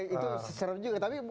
itu serem juga